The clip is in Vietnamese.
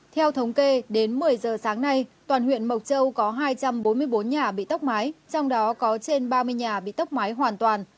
theo thống kê đến một mươi giờ sáng nay toàn huyện mộc châu có hai trăm bốn mươi bốn nhà bị tốc mái trong đó có trên ba mươi nhà bị tốc máy hoàn toàn